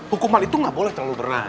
hukuman itu nggak boleh terlalu berat